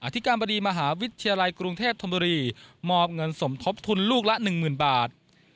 อธิกรรมดีมหาวิทยาลัยกรุงเทพธรรมดุลีมอบเงินสมทบทุนลูกละหนึ่งหมื่นบาท